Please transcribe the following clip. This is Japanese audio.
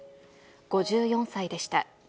５４歳でした。